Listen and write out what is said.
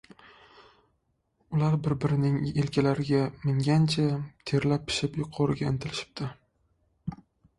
Ular bir-birlarining yelkalariga mingancha, terlab-pishib yuqoriga intilishibdi…